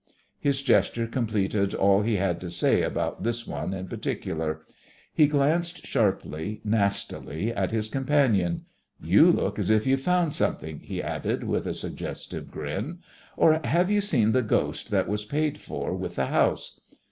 His gesture completed all he had to say about this one in particular. He glanced sharply, nastily, at his companion. "You look as if you'd found something!" he added, with a suggestive grin. "Or have you seen the ghost that was paid for with the house?"